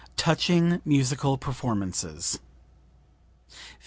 ]) TOUCHING MUSICAL PERFORMANCES 58.